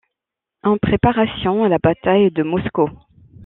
En préparation à la Bataille de Moscou.